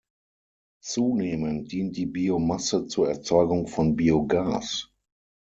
Zunehmend dient die Biomasse zur Erzeugung von Biogas.